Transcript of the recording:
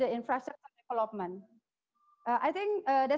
berdasarkan pengembangan infrastruktur